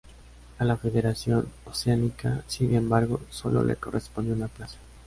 A la federación oceánica, sin embargo, solo le correspondió una plaza.